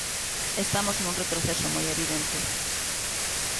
Estamos nun retroceso moi evidente.